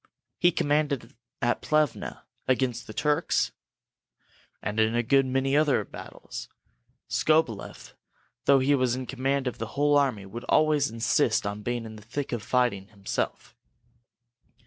"He commanded at Plevna, against the Turks?" "And in a good many other battles! Skobeleff, though he was in command of the whole army, would insist always on being in the thick of the fighting himself.